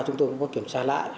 chúng tôi cũng kiểm tra lại